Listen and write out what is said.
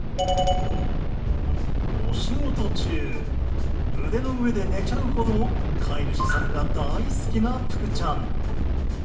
お仕事中腕の上で寝ちゃうほど飼い主さんが大好きなぷくちゃん。